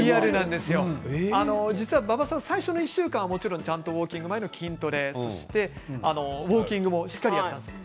実は、馬場さん最初の１週間はちゃんとウォーキング前の筋トレそしてウォーキングもしっかりやっていたんです。